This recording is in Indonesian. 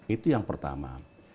itu yang pertama